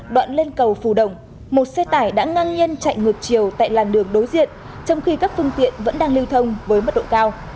đoạn lên cầu phù đồng một xe tải đã ngang nhiên chạy ngược chiều tại làn đường đối diện trong khi các phương tiện vẫn đang lưu thông với mật độ cao